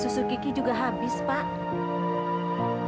susu kiki juga habis pak